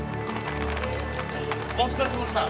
お疲れさまでした。